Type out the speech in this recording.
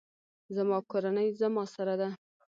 زما کورنۍ زما سره ده